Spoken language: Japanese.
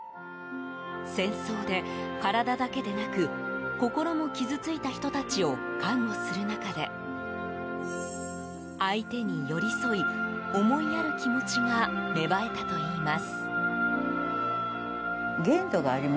戦争で体だけでなく、心も傷ついた人たちを看護する中で相手に寄り添い思いやる気持ちが芽生えたといいます。